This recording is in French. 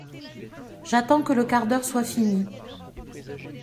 J’attends que le quart d’heure soit fini…